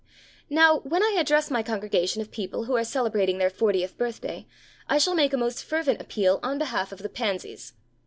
Now, when I address my congregation of people who are celebrating their fortieth birthday, I shall make a most fervent appeal on behalf of the pansies.